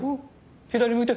左向いて。